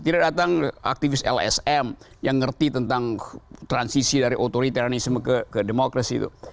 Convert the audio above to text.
tidak datang aktivis lsm yang ngerti tentang transisi dari authoritarianisme ke demokrasi itu